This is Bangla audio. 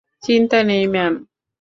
চিন্তা নেই, ম্যাম।